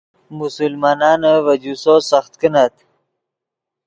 مسلمانانے ڤے جوسو سخت کینت